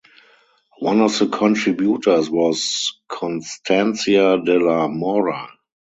One of the contributors was Constancia de la Mora.